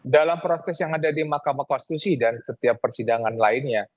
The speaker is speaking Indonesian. dalam proses yang ada di mahkamah konstitusi dan setiap persidangan lainnya